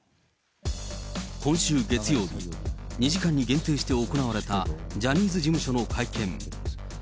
今週月曜日、２時間に限定して行われたジャニーズ事務所の会見。